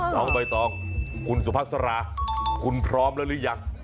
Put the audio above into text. น้องใบตองคุณสุภาษาราคุณพร้อมแล้วหรือยัง